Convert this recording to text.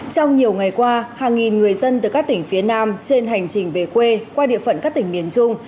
trong nhiều ngày qua hàng nghìn người dân từ các tỉnh phía nam trên hành trình về quê qua địa phận các tỉnh miền trung